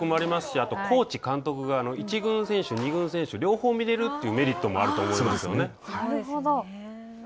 あとコーチ、監督が１軍選手、２軍選手両方見れるというメリットもあると思うよね。